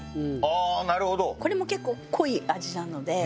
これも結構濃い味なので。